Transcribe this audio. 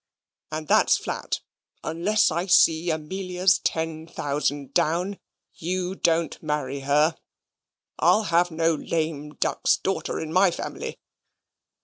And that's flat unless I see Amelia's ten thousand down you don't marry her. I'll have no lame duck's daughter in my family.